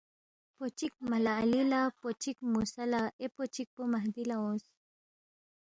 پو چک ملا علی لا پو چک موسیٰ لا اے پو چک پو مہدی لا اونگس۔